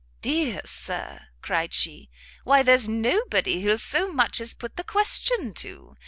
"Dear Sir," cried she, "why there's nobody he'll so much as put the question to!